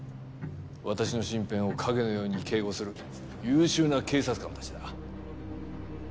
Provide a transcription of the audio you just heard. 私の身辺を影のように警護する優秀な警察官たちだ。